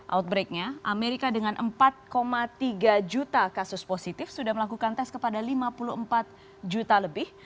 outbreaknya amerika dengan empat tiga juta kasus positif sudah melakukan tes kepada lima puluh empat juta lebih